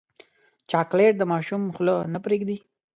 چاکلېټ د ماشوم خوله نه پرېږدي.